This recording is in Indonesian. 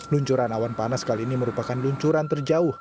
luncuran awan panas kali ini merupakan luncuran terjauh